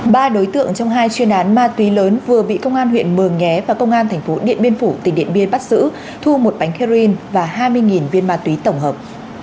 ba đối tượng trong hai chuyên án ma túy lớn vừa bị công an huyện mường nhé và công an tp điện biên phủ tỉnh điện biên bắt giữ thu một bánh heroin và hai mươi viên ma túy tổng hợp